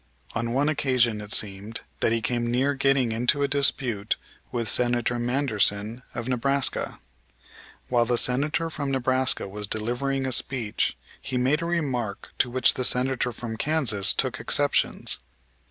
On one occasion it seemed that he came near getting into a dispute with Senator Manderson, of Nebraska. While the Senator from Nebraska was delivering a speech, he made a remark to which the Senator from Kansas took exceptions.